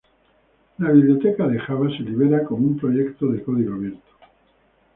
La biblioteca de Java se libera como un proyecto de código abierto.